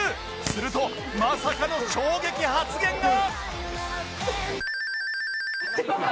するとまさかの衝撃発言が